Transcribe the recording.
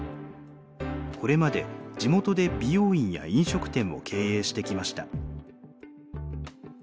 これまで地元で美容院や飲食店を経営してきました。